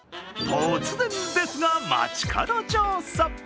突然ですが、街角調査。